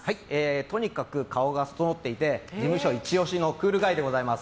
とにかく顔が整っていて事務所イチ押しのクールガイでございます。